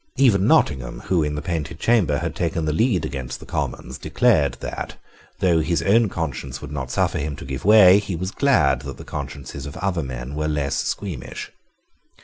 Even Nottingham, who, in the Painted Chamber, had taken the lead against the Commons, declared that, though his own conscience would not suffer him to give way, he was glad that the consciences of other men were less squeamish.